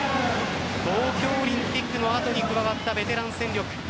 東京オリンピックの後に加わったベテラン戦力。